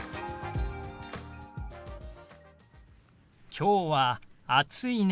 きょうは暑いね。